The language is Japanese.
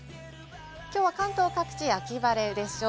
きょうは関東各地、秋晴れでしょう。